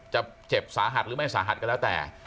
เจ็บสาหัสหรือไม่สาหัสก็แล้วแต่